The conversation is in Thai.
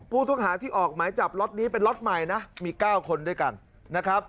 ผู้ต้องหาที่ออกหมายจับล็อตนี้เป็นล็อตใหม่นะมี๙คนด้วยกันนะครับ